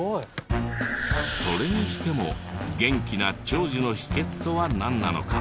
それにしても元気な長寿の秘訣とはなんなのか？